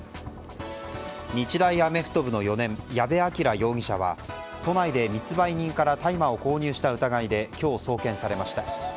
日大アメフト部の４年矢部鑑羅容疑者は都内で密売人から大麻を購入した疑いで今日、送検されました。